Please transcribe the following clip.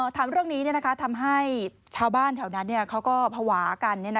ถามเรื่องนี้ทำให้ชาวบ้านแถวนั้นเขาก็ภาวะกัน